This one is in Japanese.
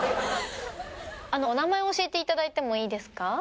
あのお名前を教えていただいてもいいですか？